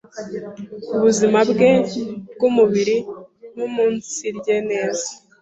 ubuzime bwe bw’umubiri nko umunsirye neze